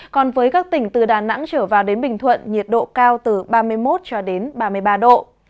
còn với các tỉnh từ đà nẵng trở vào đến bình thuận nhiệt độ cao từ ba mươi một cho đến ba mươi ba độ